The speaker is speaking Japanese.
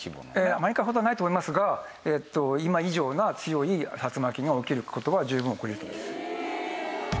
アメリカほどはないと思いますが今以上な強い竜巻が起きる事は十分起こり得ると思います。